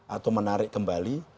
atau menarik kembali